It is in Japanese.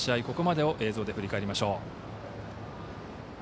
ここまでを映像で振り返りましょう。